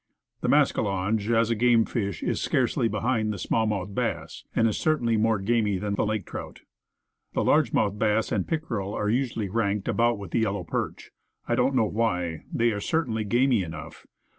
The mascalonge, as a game fish, is scarcely behind the small mouthed bass, and is certainly more gamy than the lake trout. The large mouthed bass and pick erel are usually ranked about with the yellow perch. I don't know why; they are certainly gamy enough.